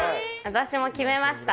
私も決めました。